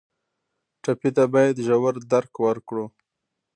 ټپي ته باید ژور درک ورکړو.